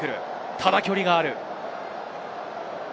ただ距離がある。